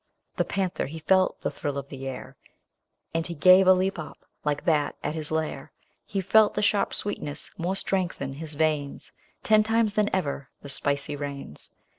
The panther he felt the thrill of the air. And he gave a leap up, like that at his lair; He felt the sharp sweetness more strengthen his' veins. Ten times than ever the spicy rains.